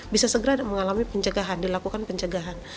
bisa segera mengalami penjagaan dilakukan penjagaan